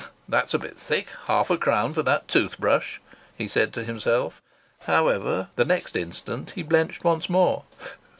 "That's a bit thick, half a crown for that tooth brush!" he said to himself. "However " The next instant he blenched once more.